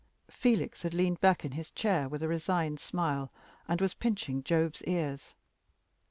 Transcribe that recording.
Felix had leaned back in his chair with a resigned smile, and was pinching Job's ears.